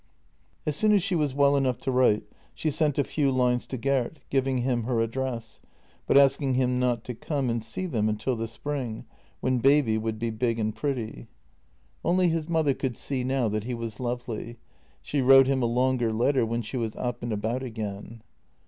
As soon as she was well enough to write she sent a few lines to Gert, giving him her address, but asking him not to come and see them until the spring, when baby would be big and pretty. JENNY 248 Only his mother could see now that he was lovely. She wrote him a longer letter when she was up and about again.